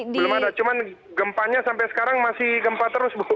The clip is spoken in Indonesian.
belum ada cuman gempanya sampai sekarang masih gempa terus bu